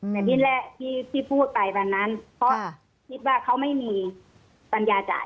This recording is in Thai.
แต่ที่แรกที่พูดไปวันนั้นเพราะคิดว่าเขาไม่มีปัญญาจ่าย